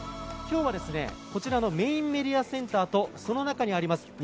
今日はこちらのメインメディアセンターとその中にあります